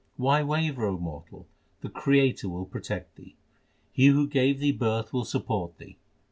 Why waver, O mortal ? the Creator will protect thee. He who gave thee birth will support thee.